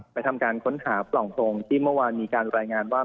ทำการค้นหาปล่องโพรงที่เมื่อวานมีการรายงานว่า